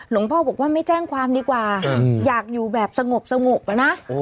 หลวงพ่อบอกว่าไม่แจ้งความดีกว่าอยากอยู่แบบสงบอะนะ